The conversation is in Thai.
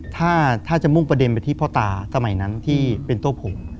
ถ้าจะมุ่งประเด็นไปที่พ่อตาสมัยนั้นที่เป็นตัวผม